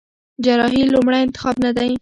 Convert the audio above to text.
جراحي لومړی انتخاب نه دی.